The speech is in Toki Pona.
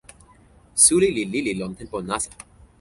suli li lili lon tenpo nasa.